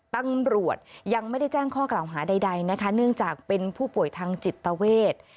ตำรวจยังไม่ได้แจ้งข้อกล่าวหาใดนะคะเนื่องจากเป็นผู้ป่วยทางจิตเวท